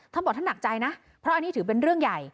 ท่านบอกท่านหนักใจนะเพราะอันนี้ถือเป็นเรื่องใหญ่